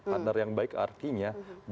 partner yang baik artinya bukan hanya